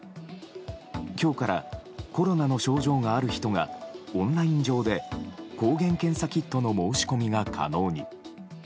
今日からコロナの症状がある人がオンライン上で抗原検査キットの申し込みが可能に。